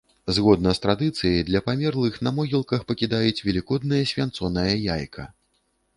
Згодна з традыцыяй, для памерлых на могілках пакідаюць велікоднае свянцонае яйка.